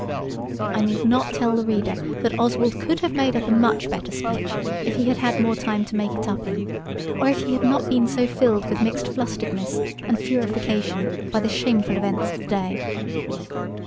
I need not tell the reader that Oswald could have made up a much better speech if he had had more time to make it up in, or if he had not been so filled with mixed flusteredness and furification by the shameful events of the day.